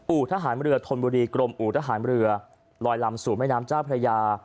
ทหารเรือธนบุรีกรมอู่ทหารเรือลอยลำสู่แม่น้ำเจ้าพระยา